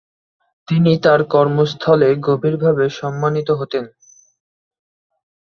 তিনি তার কর্মস্থলে গভীরভাবে সম্মানিত হতেন।